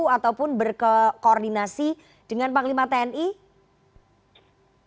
ataupun berkoordinasi dengan panglima tni